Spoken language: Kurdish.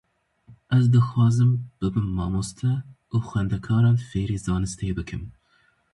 Ez dixwazim bibim mamoste û xwendekaran fêrî zanistê bikim.